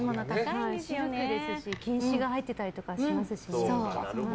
シルクですし金糸が入ってたりしますからね。